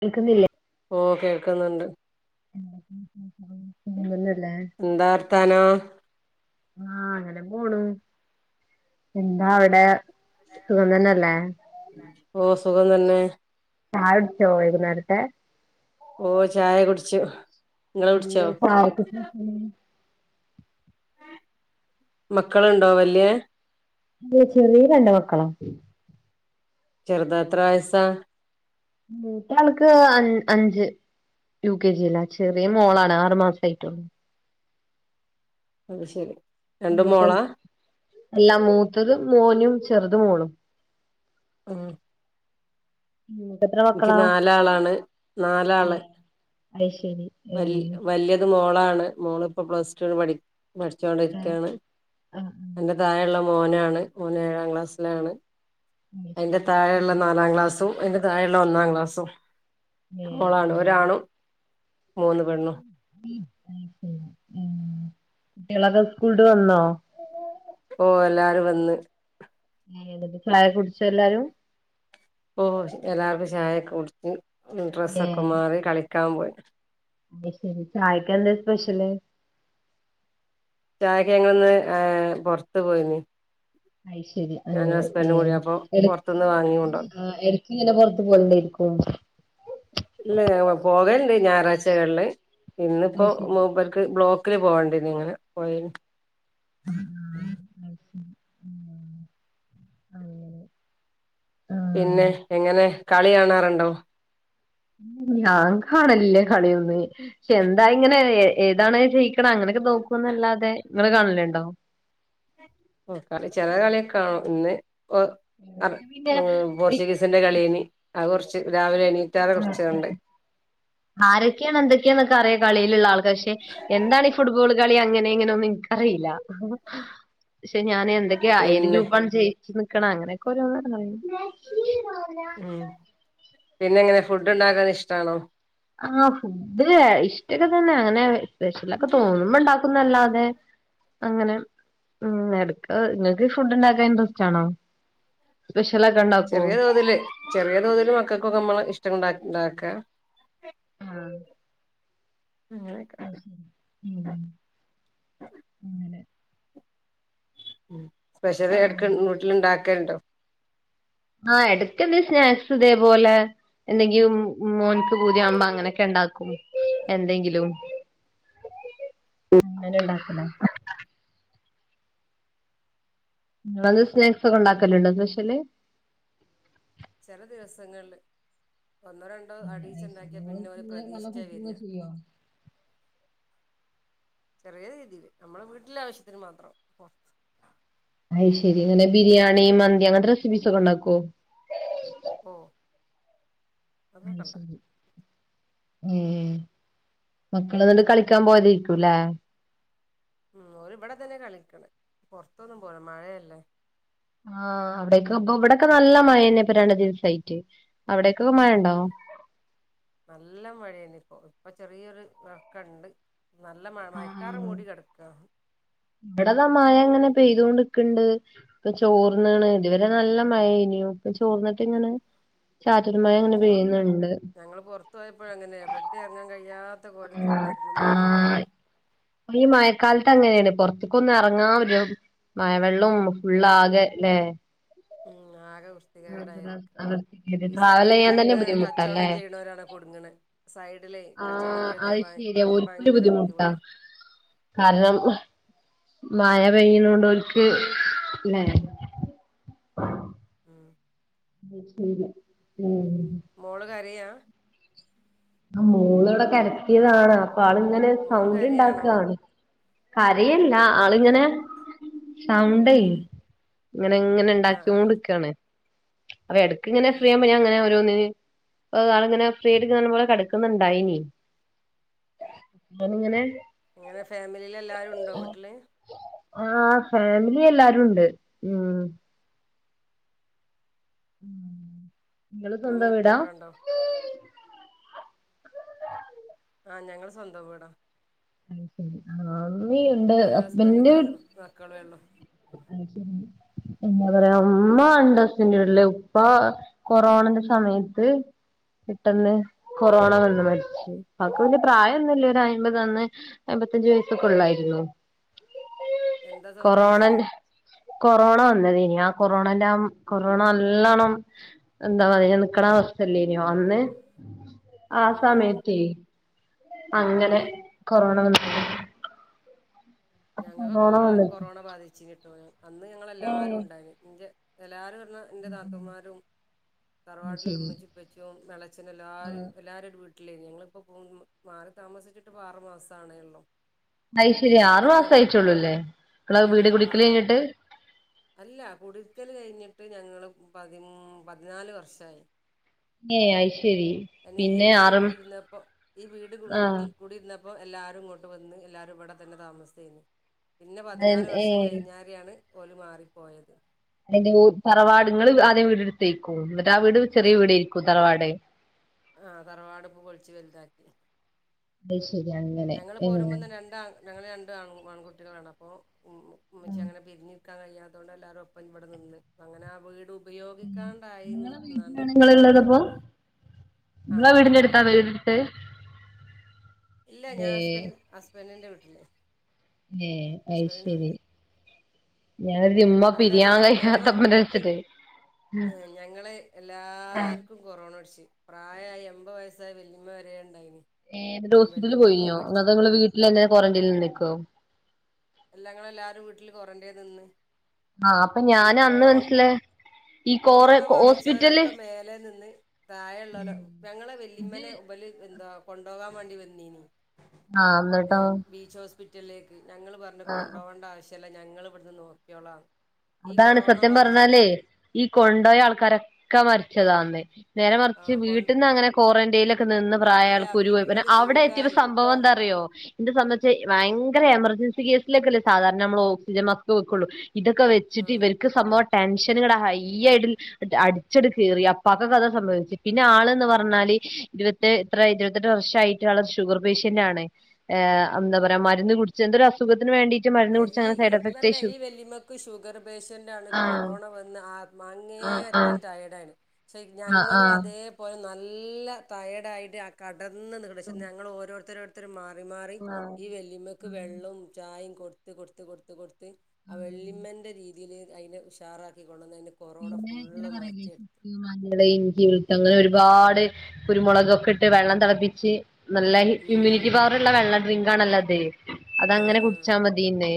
കേൾക്കുന്നില്ലേ ഓ കേൾക്കുന്നുണ്ട് ന്ന്ന്നല്ലേ എന്താ വർത്താനോ ആഹ് അങ്ങനെ പോണു എന്താ അവിടെ സുഖം തന്നെല്ലേ ഓ സുഖം തന്നെ ചായ കുടിച്ചോ വൈകുന്നേരത്തെ ഓ ചായ കുടിച്ചു നിങ്ങള് കുടിച്ചോ [unintelligible] മക്കളുണ്ടോ വല്യ ഓ ചെറിയ രണ്ട് മക്കളാ ചെറുത എത്ര വയസ്സാ മൂത്താൾക്ക് അഞ്ച് യു കെ ജി ലാ ചെറിയ മോളാണ് ആറു മാസം ആയിട്ടുള്ളൂ അത് ശരി രണ്ട് നക്ക മോളാ അല്ലാ മൂത്തതും മോനും ചെറുത് മോളും ആഹ് ഇങ്ങക്ക് എത്ര മക്കളാ നാലാളാണ് നാലാള് ആഹ് അത് ശരി വല് വലിയത് മോളാണ് മോള് ഇപ്പ പ്ലസ്ടൂന് പഠിക്കാ ആഹ് പഠിച്ചുകൊണ്ടിരിക്കുകയാണ് ആഹ് ആഹ് അയിൻ്റെ തായെയുള്ള മോനാണ് മോന് ഏഴാം ക്ലാസ്സിലാണ് അയിന്റെ അയ്ശരി താഴെയുള്ള നാലാം ക്ലാസ്സും അയിന്റെ താഴെയുള്ള ഒന്നാം ക്ലാസ്സും ഏഹ് മോളാണ് ഒന്നാം ഒരാണും മൂന്ന് പെണ്ണും കുട്ടികളൊക്കെ സ്കൂളട്ട് വന്നോ ഓ എല്ലാരും വന്ന് [unintelligible] ചായ കുടിച്ചോ എല്ലാരും ഓ എല്ലാർക്കും ചായൊക്കെ കുടിച്ചു ഏ ഡ്രസ്സൊക്കെ മാറി കളിക്കാൻ പോയി അത് ശരി ചായയ്ക്ക് എന്താ സ്പെഷ്യല് ചായക്ക് ഞങ്ങളിന്ന് പൊറത്ത് പോയിന്ന് അയ് ശരിയാ അല്ലെ ഏ കൂടി അപ്പൊ എടക് പുറത്തുന്ന് വാങ്ങി കൊണ്ടോന്ന് എടക്കിങ്ങനെ പൊറത്ത് പോയ്ണ്ടിരിക്കും ഇല്ല പോകല്ണ്ട് ഞായറാഴ്ചകളില് ഇന്നിപ്പോ അത് ശരി മൂപ്പർ ക്ക് ബ്ളോക്കില് പോണ്ടിഏർന്നു ഇങ്ങനെ അസം [inaudible] ഉം അതെ ആഹ് പിന്നെ എങ്ങനെ കളി കാണാറുണ്ടോ ഞാൻ കാണലില്ല കളിയൊന്നും പക്ഷെ എന്താ ഇങ്ങനെ ഏതാണ് ജെയ ക്കണ് അങ്ങനൊക്കെ നോക്കുന്നല്ലാതെ ങ്ങള് കാണലുണ്ടോ? ആ കളി ചില കളിയൊക്കെ ആണോ ഇന്ന് എനിക്ക് പിന്നെ ചികിത്സിന്റെ കളിന് അത് കുറച്ച് രാവിലെ എണീറ്റാറെ ഉം കുറച്ച്ണ്ട് ആരൊക്കെയാണ് എന്തൊക്കെയാന്നൊക്കെ അറിയാം കളിയിലുള്ള ആൾക്ക് പക്ഷെ എന്താണ് ഈ ഫുട്ബോൾ കളി അങ്ങനെ ഇങ്ങനെ ഒന്നും ൻക്കറില്ല. പക്ഷെ ഞാൻ എന്തൊക്കെയ ഏത് പിന്നെ ഗ്രൂപ്പാണ് ജയിച്ചു നിക്കണ അങ്ങനെയൊക്കോരോന്ന്. [unintelligible] ഉം പിന്നെ എങ്ങനെ ഫുഡ് ഉണ്ടാക്കാൻ ഇഷ്ടാണോ? ആഹ് ഫുഡ് ഇഷ്ടൊക്കെ തന്നെ അങ്ങനെ സ്പെഷ്യലൊക്കെ തോന്നുമ്പ ണ്ടാക്കുന്നല്ലാതെ. അങ്ങനെ ഉംഹ് എട്ക്ക്. നിങ്ങൾക്ക് ഫുഡ് ഉണ്ടാക്കാൻ ഇൻട്രസ്റ്റ് ആണോ? സ്പെഷലക്കണ്ടാ. ചെറിയ തോതില് ചെറിയ തോതിൽ മക്കൾക്കൊക്കെ നമ്മള് ഇഷ്ടംണ്ട ണ്ടാക്കാ. ആഹ് അങ്ങനെയൊക്കെ അയ് ശരി. ഉംഹ് അങ്ങെനെ. ഉംഹ് സ്പഷൽ എട്ക്ക് വീട്ടിൽ ണ്ടാക്കൽണ്ടോ? ആഹ് എടക്കെന്തേ സ്നാക്സ് ഇതേ പോലെ. എന്തെങ്കിലും മോൻക്ക് പൂതിയാവുമ്പോ അങ്ങനെയൊക്കെ ഉണ്ടാക്കും എന്തെങ്കിലും. അങ്ങനെ ണ്ടാക്കല. ങ്ങള് സ്നാക്സൊക്കെ ഉണ്ടാക്കലുണ്ടോ സ്പെഷൽ. ചെല ദിവസങ്ങളിൽ ഒന്നോ രണ്ടോ അടീയിച്ച അയ്ശരി ഉണ്ടാക്കിയാ ഇങ്ങള് പിന്നെ ഓൽ ഇങ്ങനെ നല്ല പ്രതീക്ഷിച്ച കുക്കിംഗ് വെര്യ. ചെയ്യോ നമ്മളെ വീട്ടിലെ ആവശ്യത്തിന് മാത്രം. അയ് ശരി. അങ്ങനെ ബിരിയാണി മന്തി അങ്ങനത്തെ റെസിപ്പീസ് ഒക്കെ ഉണ്ടാക്കോ? ഓ അയ് അതൊക്കെണ്ട ശരി. ഏഹ് മക്കൾന്നിട്ട് കളിക്കാൻ പോയതേര്ക്കൂല്ലേ? ഉംഹ് ഓര് വടെ തന്നെ കളിക്കെണെ പൊറത്തൊന്നും പോല മഴയല്ലേ. ആഹ് അവിടക്കെ പ്പ ഇവിടൊക്കെ നല്ല മഴ ന്നെപ്പ രണ്ട് ദിവസയിട്ട്. അവിടേയൊക്കെ മഴ ണ്ടോ? നല്ല മഴയന്ന ഇപ്പോ ഇപ്പൊ ചെറിയൊരു എറക്കുണ്ട്. നല്ല മഴ മയക്കാറ് മൂടി കെടക്ക. ഇവിടതാ മഴങ്ങനെ പെയ്തുണ്ടിരിക്ക്ണ്ട്. ഇപ്പൊ ചോർന്നാണ് ഇതുവരെ നല്ല മഴേനു ഇപ്പൊ ചോർന്നിട്ട് ഇങ്ങനെ. ചാറ്റൽ മഴ ഉംഹ് ഇങ്ങനെ ഞങ്ങൾ പെയ്യുന്നുണ്ട് ഞങ്ങൾ പൊറത്ത് പോയപ്പോഴങ്ങനെയ എവിടെയും എറങ്ങാൻ കഴിയാത്ത ത്ത കോലത്തിൽ ആഹ് പെരും മഴ. ആഹ് ഈ മഴക്കാലത്ത് അങ്ങനെയാണ് പൊർത്ത്കൊന്നും എറങ്ങാൻ പറ്റു. മഴവെള്ളും ഫുുള്ളാകെലെ. ഉംഹ് ആക വൃ. കെതികേടായിരിക്കും ഈ ട്രാവൽ ചെയ്യാൻ തന്നെ സൈഡിലൊക്കെ ബുദ്ധിമുട്ടാല്ലേ കച്ചോടം ചെയ്യ്ണോരാണ് കുടുങ്ങ്ണ്. സൈഡിലേ കച്ചവടം ആഹ് ചെയ്യുന്നരു അത് ഭയ ശരിയാ അവർക്ക് ഓൽക്കൊരു ഭയങ്കര ബുദ്ധിമുട്ടാ. കാരണം മഴ പെയ്യുണോണ്ട് ഓര്ക്ക് ല്ലേ ഉംഹ്. അയ് ശരി. ഉംഹ് മോള് കരയാ? ആ മോളിവിടെ കരച്ചിലാണ്. പ്പ ആൾ ങ്ങനെ മോള് സൗണ്ട് കരയാണോ ണ്ടാക്ക്കാണ്. കരയല്ല ആളിങ്ങനെ. സൗണ്ടേ ഉം ഇങ്ങനെങ്ങനെ ആഹ് ആഹ് ണ്ടാക്കിയോണ്ട്ക്കാണ്. അപ്പൊ എടുക്ക് ഇങ്ങനെ ഫ്രീ ഉം ആവുമ്പ ഞാങ്ങനെ ഓരോന്ന് ഏ ആൾങ്ങനെ ഫ്രീ. [unintelligible] കെടക്കുന്നുണ്ടായിനി. അ ഇങ്ങനെ ങ്ങനെ ഫാമിലിയിൽ എല്ലാവരും ഉണ്ടോ വീട്ടില്? ആ ഫാമിലി എല്ലാരും ഉണ്ട് ഉംഹ്. ങ്ങള് സ്വന്തം ഉമ്മേം വീടാ? ഇപ്പയൊക്കെ ഉണ്ടോ ആ ഞങ്ങൾ സ്വന്തം വീടാ. ഹലോ. ഞാനും ഹസ്ബന്റും നാലു മ മക്കളെ ഒള്ളൂ. എന്നാ പറയാ മ്മ [unintelligible] ഉപ്പാ. കൊറോണന്റെ സമയത്ത്. പെട്ടെന്ന് കൊറോണ വന്ന് മരിച്ചു ആക്ക് വലിയ പ്രായമൊന്നും ഇല്ലടാ അയമ്പത് തന്നെ അമ്പത്തഞ്ചു വയസ്സൊക്കെ ഉള്ളായിരുന്നു എന്താ സംഭവിച്ചേ കൊറോണന്റെ കൊറോണ വന്നത് ഇനി ആ കൊറോണ എല്ലാം കൊറോണ നല്ലോണം എന്താ പറയാ നിക്കണ അവസ്ഥല്ലേനോ അന്ന് ആ ഉം ഉം സമയത്തേ അങ്ങനെ ഉം കൊറോണ വന്ന് ഞങ്ങൾക്കൊക്കെ കൊറോണ കൊ വന്നിട്ട് കൊറോണ ബാധിച്ച് കെട്ടോ അന്ന് ഞങ്ങെല്ലാരും ഏഹ് ഉണ്ടായിരുന്നു ഇന്റെ എല്ലാവരും പറ എന്റെ നാത്തൂന്മാരും അത് തറവാട്ടിൽ ഇള്ള ശരി ഉമ്മച്ചിം ഉപ്പച്ചിം എളച്ചനും ആഹ് എല്ലാരും എല്ലാരും ഒരു വീട്ട ട്ടിലേഞ്ഞ് ഞങ്ങളിപ്പോ പോന്ന് മാറി താമസിച്ചിട്ട് ഇപ്പ ആറു മാസം ആണേ ഉള്ളോ അയിശരി ആറു മാസായിട്ടൊള്ളൂല്ലെ ഇങ്ങളെ ഉം വീട് ആ കുടിക്കല് കഴിഞ്ഞിട്ട് അല്ല കുടിരിക്കൽ കഴിഞ്ഞിട്ട് ഞങ്ങൾ പതി പതിനാല് വർഷായി ഏഹ് അയിശെരി ഈ വീട് കുടിരുന്നപ്പോൾ ഈ വീട് കുൻ ആ വീടിൽ കുടി ഇരുന്നപ്പോൾ എല്ലാരും ഇങ്ങോട്ട് വന്ന് എല്ലാരും ഇവിടെ തന്നെ താമസേന്ന് പിന്നെ പതിനാല് അതെ- ഏ വർഷം കഴിഞ്ഞാരെയാണ് ഓല് മാറിപ്പോയത് അതിന്റെ തറവാട് ഇങ്ങള് ആദ്യം വീട്ഇട്ത്തേക്കും എന്നിട്ട് ആ വീട് ചെറിയ വീടേയിരിക്കും തറവാട് ആഹ് തറവാടിപ്പോ പൊളിച്ച് വലുതാക്കി അയിശെരി അങ്ങനെ ഞങ്ങള് ഏ പോരുമ്പോ തന്നെ രണ്ട് ആൺ ഞങ്ങള് രണ്ട് ആൺകുട്ടികളാണ് അപ്പൊ ഉമ്മച്ചി നിങ്ങളെ അങ്ങനെ പിരിഞ്ഞു രിക്കാൻ കയ്യാത്തോണ്ട് എല്ലാരും ഒപ്പം ഇവിടെ നിന്ന് അങ്ങനെ ആ വീടും ഉപയോഗിക്കാണ്ടായി നി നിന്നാണ്ട് കേടന്ന് ആ ഇങ്ങളെ ഇപ്പ വീടിന്റെ ഞങ്ങളെ അടുത്താ വീട്ടിലാണ് വീടെടുത്തത് ഇല്ല ഞാൻ ഹസ്ബൻ ഹസ്ബൻഡിന്റെ വീട്ടില് ഏഹ് ഹസ്ബൻഡിന്റെ അയിശെരി വീട്ടില് ഞാൻ കര്തി ഇമ്മ അന്നേരം പിരിയാൻ ഞ ഞങ്ങക്ക് കയ്യാത്തപ്പം വിചാര്ച്ച്ട്ടേ ഉം. ഞങ്ങളെ എല്ലാർക്കും കൊറോണ പിടിച്ച് പ്രായായ എൺമ്പത് വയസ്സായ വല്ലിമ്മ വരെ ഉണ്ടായിന്ന് ഏയ് ഇന്നിട്ട് ഹോസ്പിറ്റല് പോയിനോ അതോ ഇങ്ങളെ വീട്ടിലെന്നെ ക്വാറന്റൈനിൽ നിക്കോ അല്ല ഞാങ്ങളെല്ലാരും വീട്ടില് കോറന്റെയിൻ നിന്ന് ആഹ് അപ്പൊ ഈ ഞാൻ അന്ന് കൊറോ മനസ്സില് കൊറോണ ബാധിച്ചവരൊക്കെ മേലെ നിന്ന് താഴേയുള്ളോലൊ ഞങ്ങളെ ഇത് വല്ലിമ്മനെ എന്താ കൊണ്ടോകാൻ വേണ്ടി വന്നീനി ആഹ് ന്നട്ടോ ബീച്ച് ഹോസ്പി ഹോസ്പിറ്റലിലേക്ക് ഞങ്ങൾ പറഞ്ഞു ആഹ് കൊണ്ടുപോവണ്ട ആവശ്യല്ല ഞങ്ങൾ ഇവിടുന്ന് നോക്കിയോളാംന്ന് അതാണ് സത്യം പറഞ്ഞാലേ ഈ കൊണ്ടോയ ആൾക്കാരൊക്കെ മരിച്ചതാ അന്ന് നേരെ ആ മറിച്ച് കൊ വീട്ടിൽന്ന് അങ്ങനെ ക്വാറന്റൈനില് ഒക്കെ നിന്ന് പ്രായ ഇല്ല ആൾക്ക് ഒരുകുഴപ്പോല പിന്നെ വീട്ടിന്ന് അവിടെ എത്തിയപ്പോ സുഖായി സംഭവം എന്താന്നറിയോ എന്താ സംഭവംച്ചാ ഭയങ്കര എമർജൻസി കേസിലൊക്കെല്ലെ സാധാരണ നമ്മൾ ഓക്സിജൻ മാസ്ക് വെക്കുള്ളു ഇതൊക്കെ വെ ച്ചിട്ട് ഉം ഇവർക്ക് സംഭവം ടെൻഷനിങ്ങട് ഹൈ ആയിട്ട് അടിച്ചണ്ട് കേറി അപ്പാക്ക്‌ ഒക്കെ അതാ സംഭവിച്ച് പിന്നെ ആള് ന്ന് പറഞ്ഞാല് ഇരുപ എത്ര ഇരുപത്തെട്ട് വർഷായിട്ട് ആള് ഒരു ഷുഗർ പേഷ്യന്റ് ആണ് എന്താ പറയാ മരുന്ന് കുടി ച്ച് എന്തോരു അസുഖത്തിന് വേണ്ടീട്ട് മരുന്ന് കുടിച്ച് അങ്ങനെ ആ സൈഡ് എഫക്റ്റ് ഇഷ്യൂ ക്ക് ഷുഗർ പേഷ്യന്റാണ് ആഹ് കൊറോണ വന്ന് അന്നേ ആഹ് ആഹ് അറ്റം ടയേർഡ് ആണ് ആഹ് ഞങ്ങളും ആഹ് അതേപോലെ നല്ല ടയേഡ് ആയിട്ട് കടന്ന് പക്ഷേ ഞങ്ങൾ ഓരോരുത്തരോരുത്തരർ മാറി മാറി ആഹ് ഈ വല്ലിമ്മ ക്ക്‌ വെള്ളവും ചായും കൊടുത്ത് കൊടുത്ത് കൊടുത്ത് കൊടുത്ത് ആ വല്യമ്മന്റെ ജീ ഇതില് അയിനെ ഉഷാറാക്കി കൊണ്ടൊന്ന് അയിന്റെ പിന്നെ ഇങ്ങനെ പറയു [unintelligible] ഈ മഞ്ഞള് ഇഞ്ചി വെളുത്ത് അങ്ങനെ ഒരുപാട് കുരുമുളകൊക്കെ ഇട്ട് വെള്ളം തെളപ്പിച്ച് നല്ല ഉം ഉം ഇമ്മ്യൂണിറ്റി പവർ ഉള്ള വെള്ള ഡ്രിങ്ക് ആണല്ലോ അത് ആ അങ്ങനെ ആ കുടിച്ചാ മതി പിന്നെ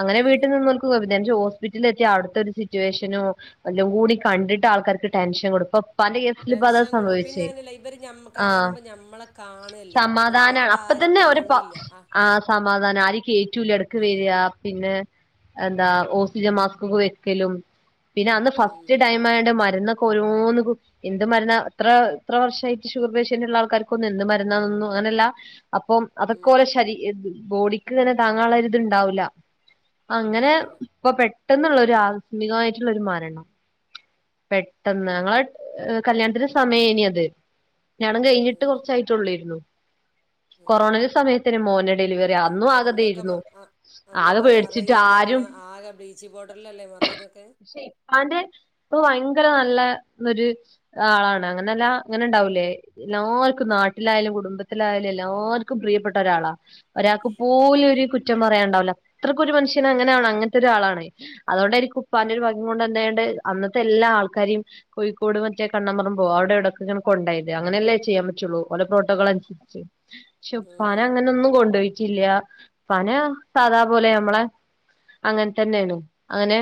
അങ്ങനെ ഉം വീട്ടിൽ നിന്നോല്ക്ക്‌ കൊ ഹോസ്പിറ്റലിൽ എത്തി അവിട്ത്തെ ഒരു സിറ്റുവേഷനും എല്ലം കൂടി കണ്ടിട്ട് ആൾക്കാർക്ക് ടെൻഷൻ കൊടുക്ക ഇപ്പൊ ഇപ്പാന്റെ കേസില് ഇപ്പൊ അതാ ടെൻഷൻ കൊടുക്കും പിന്നെ സംഭവിച്ചേ അങ്ങനെയല്ല ഇവര് ഞമ്മ ആഹ് കാണുമ്പോ ഞമ്മളെ കാണല്ലേ ഇത് സമാധാനാ പുറത്ത് അപ്പ ആരും തന്നെ ഓരെ കാണില്ല ആ ആഹ് സമാധാനം ആരേം കേറ്റൂല്ല എടക്ക് ഉം വെരാ പിന്നെ എന്താ ഓക്സിജൻ മാസ്ക്ക് ഒക്കെ വെക്കലും പിന്നെ അന്ന് ഉം ഫസ്റ്റ് ടൈം ആയോണ്ട് മരുന്നൊക്കെ ഓരോന്ന് എന്ത് മരുന്ന എത്ര എത്ര വർഷമായിട്ട് എന്ത് മരുന്നാ ഇത്ര ഇത്ര വർഷായിട്ട് ഷുഗർ പേഷ്യന്റ് ഉള്ള ആൾക്കാർക്കൊന്നും എന്ത് മരുന്നാന്നൊന്നും അങ്ങനെല്ല അപ്പം അതൊക്കെ ഉം ഓലെ ശരീ ബോഡിക്ക് ഇങ്ങനെ താങ്ങാൻ ഇള്ള ഒരു ഇത് ഇണ്ടാവുല ഉണ്ടാവൂല ഇപ്പൊ പെട്ടെന്നുള്ള ഒരു ആസ്മികമായിട്ടുള്ള ഒരു മരണം പെട്ടെന്ന് ഞങ്ങളെ കല്യാണത്തിന്റെ സമയേന്നി അത്‌ കല്ല്യാണം കഴിഞ്ഞിട്ട് അതെ കൊർച്ച് ആയിട്ടൊള്ളെര്ന്നു. ഉം ഉം കൊറോണന്റെ സമയത്തേനു മോന്റെ ഡെലിവറി അ അന്നു അന്നൊക്കെ മ ആകതെര്ന്നു. അ അന്നൊക്കെ മറയ്യാന്ന്ർഞ്ഞാ ആകെ ബീച്ചിംഗ് പൗഡർലല്ലേ മറയ്ത് ഒക്കെ. പഷെ ഇപ്പാന്റെ ഇപ്പ വയങ്കര നല്ല ഒര് ആളാണ്. അങ്ങനെല്ല ഇങ്ങനെ ഇണ്ടാവൂലേ? എല്ലാർക്കും നാട്ടിലായാലും കുടുംബത്തിലായാലും എല്ലാർക്കും പ്രിയപ്പെട്ട ഒരാളാ. ഒരാക്ക് പോലു ഉം ഒര് കുറ്റം പറയാൻ ഇണ്ടാവൂല. അത്രക്കൊരു മനുഷ്യന് അങ്ങനെ അങ്ങൻത്തെ ഒരാളാണ്. അതോണ്ടായിരി ഉം ഇപ്പാന്റൊരു ഭാഗ്യം കൊണ്ടെന്നെണ്ട് അന്നത്തെ എല്ലാ ആൾക്കാരെയും കേഴിക്കോട് മറ്റേ കണ്ണംപറമ്പോ അവിടെ എവിടെക്കെങ്ങനെ കൊണ്ടോയെത് അങ്ങനെല്ലേ ചെയ്യാൻ പറ്റൊള്ളു. ഓലേ പ്രോട്ടോകോളൻസരി ച്ച്. പഷെ ഉപ്പാനെ ഉം അങ്ങനെന്നും കൊണ്ടോയിട്ടില്ല. ഇപ്പാനെ സാധാപോലെ നമ്മളെ അങ്ങെൻ തന്നെയാണ്. അങ്ങനെ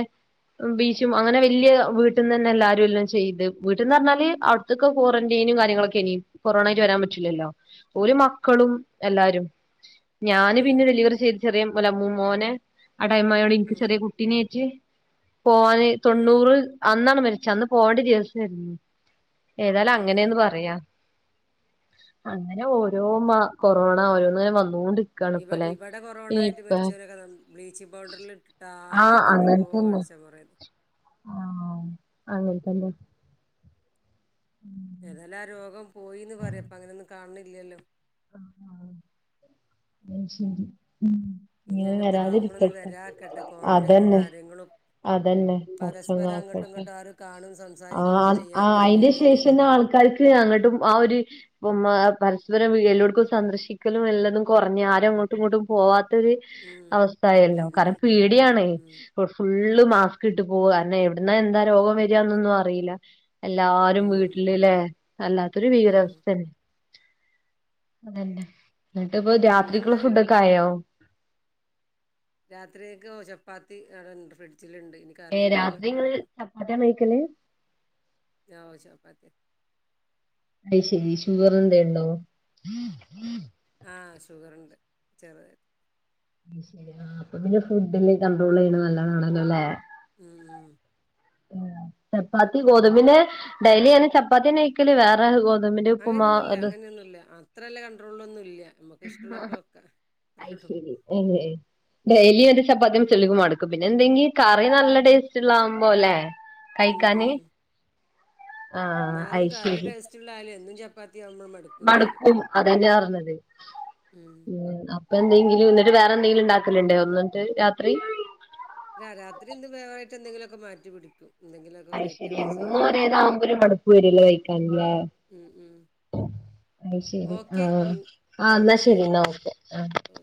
[unintelligible] ച്ചും അങ്ങനെ വെല്ല്യയ വീട്ടിന്ന് തന്നെ എല്ലാരും എല്ലാം ചെയ്തെ. വീട്ട്ന്നർഞ്ഞാല് അവ് ഇതൊക്കെ ക്വാറന്റൈനും കാര്യങ്ങളൊക്കെനി. കൊറോണേല് വരാൻ പറ്റില്ലല്ലോ. ഓല് മക്കളും എല്ലാരും. ഞാന് പിന്നെ ഉം ഡെലിവറി ചെയ്ത് ചെറിയ മോനെ ആ ടൈം ആയോണ്ട് ഉം എനിക്ക് ഉം ചെറിയ കുട്ടിനേറ്റ് പോവാന് ഉം തൊണ്ണൂറ് അന്നാണ് മരിച്ച്, അന്ന് പോവണ്ട ദിവസേര്ന്നു. ഏതായാലും ഉം ഉം അങ്ങനെന്ന് പറയ് അങ്ങനെ ഓരോ മ കൊറോണ ഓരോന്ന്ങ്ങനെ വന്നോണ്ട് ഇവ ഇബടെ കൊറോണ ആയിട്ട് മരിച്ചോരൊക്കെ ബ്ലീച്ചിങ് പൗഡറിൽ ഇട്ടിട്ടാ ആകെ എന്തൊക്കോ കാണിച്ചാ പറയ്ന്നെ. ആണോ അങ്ങൻ തന്നെ. ഉം ഏതായാലും ആ രോഗം പോയീന്ന് പറയ, ഇപ്പം അങ്ങനൊന്നും കാണ് ണില്ലല്ലോ. ആഹ് ഇന്നാ ശെരി ഉം. ഇനി ഇങ്ങനെ അങ്ങൻത്തെ രോഗങ്ങളൊന്നും വരാതിരിക്കട്ടെ വരാക്കട്ടെ ക്വാറന്റയിനും അതന്നെ കാര്യങ്ങളും അതന്നെ പടച്ചോൻ പരസ്പരം അങ്ങോട്ടും കാക്കട്ടെ, ഇങ്ങോട്ടും ആരും കാണും സംസാരിക്കൊന്നും ആഹ് ചെയ്യാത്തൊരു അയിന്റെ രീതിയില് ശേഷന്നെ ആൾക്കാര്ക്ക് ഇപ്പ അയിന് അങ്ങട്ടും ആ ഒര് മാ പരസ്പര വി എല്ലോട്ക്കും സന്ദർശിക്കലും എല്ലതും കൊർഞ്ഞ് ആരും എങ്ങോ എങ്ങോട്ടും പോവാത്തൊര് ഉം അവസ്ഥ ആയല്ലോ, രീതിയില് കാരണപേടിയാണ്. ഉം ഇപ്പ, ഫുള്ള് മാസ്ക് ഇട്ട് പോവ് അല്ലേ എവിട്ന്നാ എന്താ രോഗം വര്ന്നൊന്നും അറിയില്ല. എല്ലാരും ഉം വീട്ടില്ല്ലേ വല്ലാത്തൊരു ഉം ഭീകരാവസ്ഥ തന്നെ. അതെന്നെ, ഇന്നിട്ട് ഇപ്പ രാത്രിക്ക്ള്ള പിന്നെന്താ ഫുഡൊക്കെ ആയോ? രാത്രിയേക്ക് ചപ്പാത്തി അടണ്ട് ഫ്രിഡ്ജില്ണ്ട്. ഏഹ് രാത്രി ഇങ്ങള് ചപ്പാത്തി ആണോ കഴിക്കല്? എല്ലാവു ചപ്പാത്തിയ. അഹ് ശെരി ഷുഗർ എന്തെ ഇണ്ടോ? ആഹ് ഷുഗർണ്ട് ചെറ്തായി. അഹ് ശെരി ആ അപ്പ പിന്നെ ഫുഡെല്ലാ കണ്ട്രോളെയ്യ്ണത് നല്ലതാണല്ലെലേ. മ് മ് ഏഹ്, ചപ്പാത്തി ഗോതമ്പിന്റെ ഡയ്ലി അങ്ങനെ ചപ്പാത്തിന്നെ കയ്ക്കല് വേറെ ഗോത് അങ്ങനെയൊന്നു ഇല്ല അങ്ങനെയൊന്നുല്ല, അത്രല്ല കണ്ടട്രോളിലൊന്നു ഇല്ല. നമ്മക്ക് ഇഷ്ടള്ളൊക്കെ വെക്കാ. അയി അത്രേള്ളൂ ശെരി [unintelligible] ഡെയ്ലി ഒര് ചപ്പത്തിന്നെ ചെലർക്ക് മട്ക്കും. പിന്നെ, എന്തെങ്കിം കറി നല്ല ടേസ്റ്റ് ഇള്ളാവുമ്പോല്ലേ. ഉം ഉം ആ അത് ഇന്നാലും കറി ടേസ്റ്റ ഇള്ളായാലും എന്നും ചാത്തിയാവുമ്പ മട് മട്ക്കും അതന്നെ പറഞ്ഞത്. ഉം അപ് ഇപ്പ എന്തെങ്കിലും ഇന്നിട്ട് വേറെ എന്തെങ്കിലും ഇണ്ടാക്കല്ണ്ട് ഇന്നിട്ട് രാത്രി. രാ രാത്രി എന്ത് വേറൊയിട്ട് എന്തെങ്കിലൊക്കെ മാറ്റി പിടി അഹ്, ശെരി എന്നും ഒരേതാവുമ്പോ ഒര് മടുപ്പു വരുല്ലോ കഴിക്കാൻല്ലേ. മ് മ് ഇന്നാ ശെരി ആഹ് ആഹ് ആ ട്ടോ ഇന്നാ ശെരി ശരി ഇന്നാ എന്നാ ഓക്കെ ആഹ്. ഓക്കെ